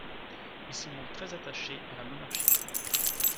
Il se montre très attaché à la monarchie.